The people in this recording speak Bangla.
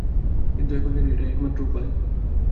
কিন্তু এখন জানি, এটাই একমাত্র উপায়।